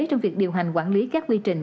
trong việc điều hành quản lý các quy trình